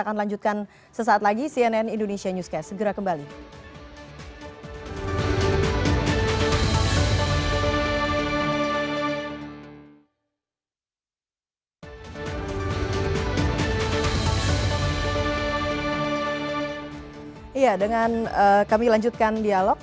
akan lanjutkan sesaat lagi cnn indonesia newscast segera kembali ya dengan kita majukan dialog